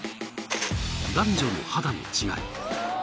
男女の肌の違い。